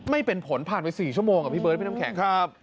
ไม่เป็นผลผ่านไป๔ชั่วโมงพี่เบิร์ดพี่น้ำแข็ง